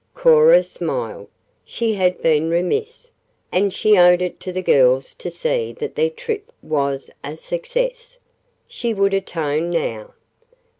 Cora smiled. She had been remiss, and she owed it to the girls to see that their trip was a success. She would atone now.